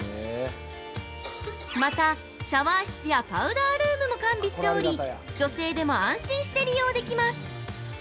また、シャワー室やパウダールームも完備しており女性でも安心して利用できます。